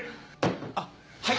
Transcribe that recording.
あっはい。